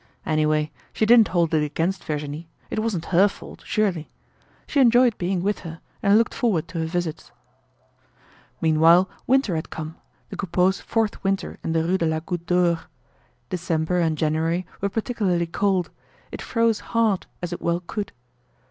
Anyway, she didn't hold it against Virginie, it wasn't her fault, surely. She enjoyed being with her and looked forward to her visits. Meanwhile winter had come, the Coupeaus' fourth winter in the Rue de la Goutte d'Or. December and January were particularly cold. It froze hard as it well could.